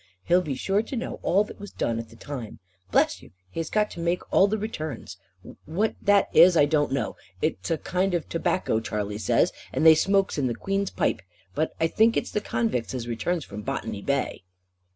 He'll be sure to know all that was done at the time. Bless you, he has got to make all the returns; what that is, I don't know. It's a kind of tobacco Charley says, that they smokes in the Queen's pipe. But I think it's the convicts as returns from Botany Bay."